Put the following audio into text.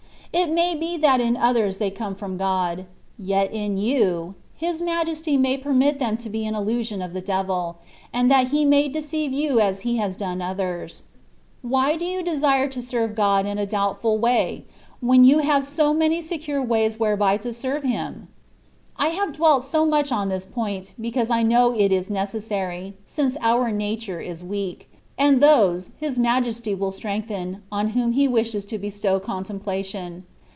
It may be that in others they come from God; yet in you, His Majesty may permit them to be an illusion of the de\il, and that he may deceive you as he has done others. Why do you desire to serve God in a doubtful way, when you have so many secure ways whereby to serve Him. I have dwelt so much on this point, because I know it is neces sary, since our nature is weak: and those His Majesty will strengthen, on whom He wishes to bestow contemplation.